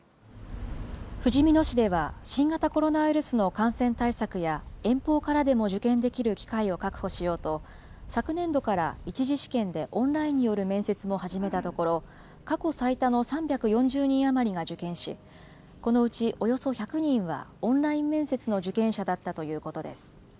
ふじみ野市では、新型コロナウイルスの感染対策や、遠方からでも受験できる機会を確保しようと、昨年度から１次試験でオンラインによる面接も始めたところ、過去最多の３４０人余りが受験し、このうちおよそ１００人はオンライン面接の受験者だったということです。